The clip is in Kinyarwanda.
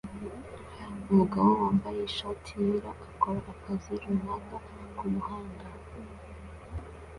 Umugabo wambaye ishati yera akora akazi runaka kumuhanda